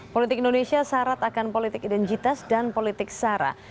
politik indonesia syarat akan politik identitas dan politik sara